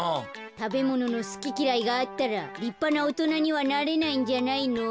たべもののすききらいがあったらりっぱなおとなにはなれないんじゃないの？